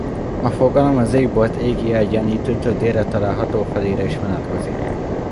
A fogalom az égbolt égi egyenlítőtől délre található felére is vonatkozik.